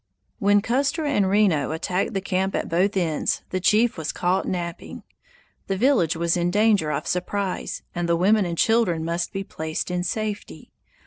When Custer and Reno attacked the camp at both ends, the chief was caught napping. The village was in danger of surprise, and the women and children must be placed in safety.